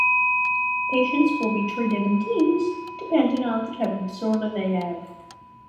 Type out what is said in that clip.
Patients will be treated in teams, depending on the type of disorder they have.